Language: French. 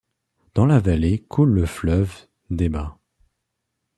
Dans la vallée coule le fleuve Deba.